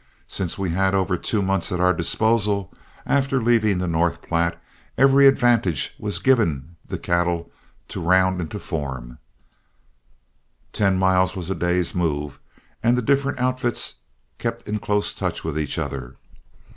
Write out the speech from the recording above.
Since we had over two months at our disposal, after leaving the North Platte, every advantage was given the cattle to round into form. Ten miles was a day's move, and the different outfits kept in close touch with each other.